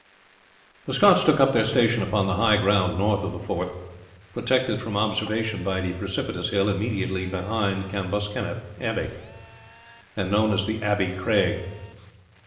The Scots took up their station upon the high ground north of the Forth, protected from observation by the precipitous hill immediately behind Cambuskenneth Abbey and known as the Abbey Craig.